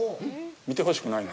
見てほしくないの？